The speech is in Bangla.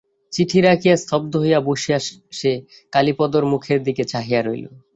চিঠি রাখিয়া স্তব্ধ হইয়া বসিয়া সে কালীপদর মুখের দিকে চাহিয়া রহিল।